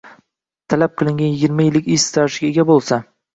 talab qilingan yigirma yillik ish stajiga ega bo‘lsa